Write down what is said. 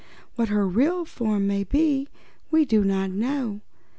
What her real form may be we do not know.